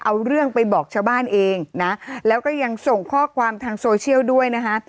เอาเรื่องไปบอกชาวบ้านเองนะแล้วก็ยังส่งข้อความทางโซเชียลด้วยนะคะ